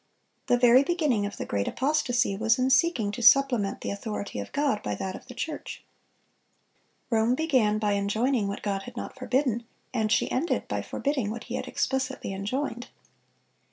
The very beginning of the great apostasy was in seeking to supplement the authority of God by that of the church. Rome began by enjoining what God had not forbidden, and she ended by forbidding what He had explicitly enjoined.